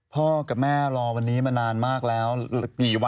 พ่อกับแม่รอวันนี้มานานมากแล้ว